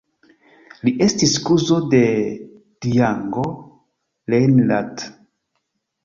Li estis kuzo de Django Reinhardt.